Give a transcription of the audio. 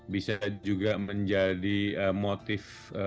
bisa juga menjadi motif